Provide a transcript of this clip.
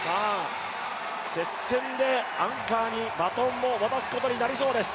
接戦でアンカーにバトンを渡すことになりそうです。